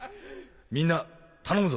みんな頼むぞ！